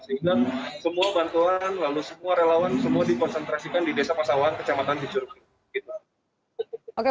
sehingga semua bantuan dan relawan semua dikonsentrasikan di desa pasauan kecamatan kecurungan